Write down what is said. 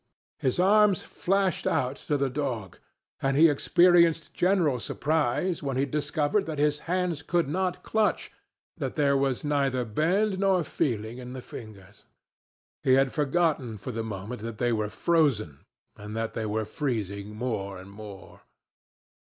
His arms flashed out to the dog, and he experienced genuine surprise when he discovered that his hands could not clutch, that there was neither bend nor feeling in the lingers. He had forgotten for the moment that they were frozen and that they were freezing more and more.